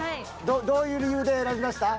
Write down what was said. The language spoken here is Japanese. どういう理由で選びました？